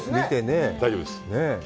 大丈夫です。